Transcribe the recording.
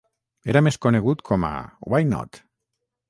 Era més conegut com a Why Not?